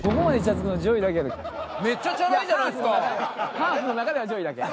ハーフの中ではＪＯＹだけ。